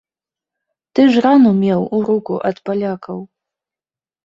Ты ж рану меў у руку ад палякаў!